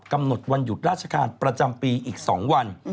กำหนดวันหยุดราชการประจำปีอีก๒วัน